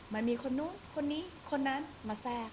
มันมีคนนู้นคนนี้คนนั้นมาแทรก